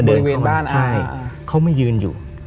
บริเวณบ้านใช่เขาไม่ยืนอยู่